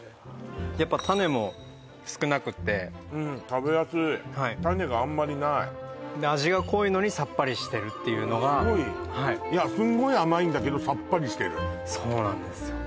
やっぱタネも少なくってうん食べやすいタネがあんまりないで味が濃いのにさっぱりしてるっていうのがすごいいやすごい甘いんだけどさっぱりしてるそうなんですよ